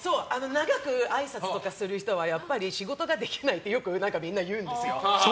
長くあいさつとかする人は仕事ができないってよくみんな言うんですよ。